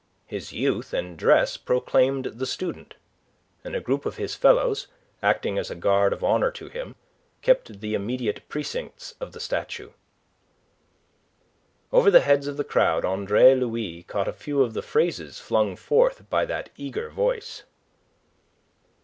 His youth and dress proclaimed the student, and a group of his fellows, acting as a guard of honour to him, kept the immediate precincts of the statue. Over the heads of the crowd Andre Louis caught a few of the phrases flung forth by that eager voice.